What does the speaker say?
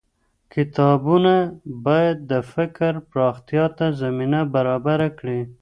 کتابونه بايد د فکر پراختيا ته زمينه برابره کړي.